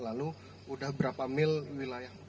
lalu udah berapa mil wilayah